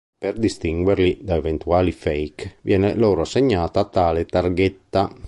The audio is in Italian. Per distinguerli da eventuali "fake", viene loro assegnata tale targhetta.